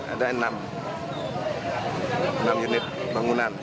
ada enam unit bangunan